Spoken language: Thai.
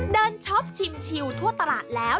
ช็อปชิมชิวทั่วตลาดแล้ว